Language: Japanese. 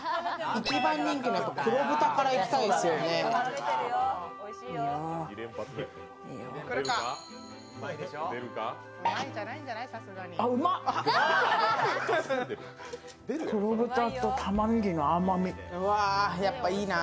一番人気の黒豚からいきたいですよね。